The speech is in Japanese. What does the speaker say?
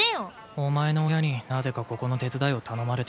お前の親になぜかここの手伝いを頼まれている。